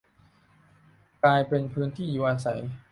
กลายเป็นพื้นที่อยู่อาศัย